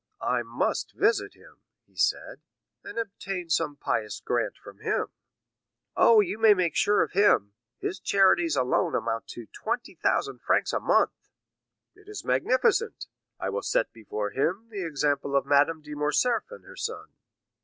"I must visit him," he said, "and obtain some pious grant from him." "Oh, you may make sure of him; his charities alone amount to 20,000 francs a month." "It is magnificent! I will set before him the example of Madame de Morcerf and her son."